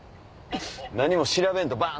何も調べんとバン！